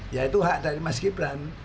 yaitu hak dari mas gibran